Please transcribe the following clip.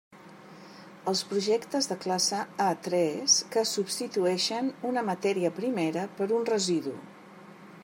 Els projectes de classe A tres que substitueixin una matèria primera per un residu.